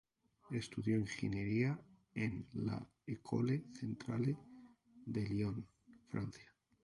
Estudió Ingeniería en la École Centrale de Lyon, Francia.